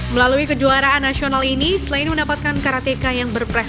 melalui kejuaraan nasional ini selain mendapatkan karateka yang berprestasi